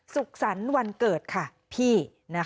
สุขสรรค์วันเกิดค่ะพี่